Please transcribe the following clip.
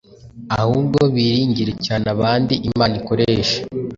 ahubwo biringire cyane abandi Imana ikoresha